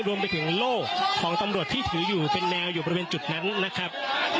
รวมไปถึงโล่ของตำรวจที่ถืออยู่เป็นแนวอยู่บริเวณจุดนั้นนะครับ